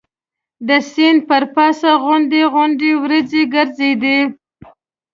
د سیند پر پاسه غونډۍ غونډۍ وریځ ګرځېدې.